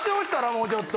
もうちょっと。